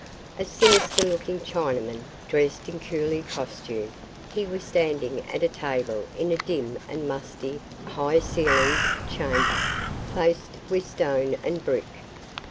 A sinister looking Chinaman, dressed in coolie costume, he was standing at a table in a dim and musty, high ceilinged chamber, faced with stone and brick.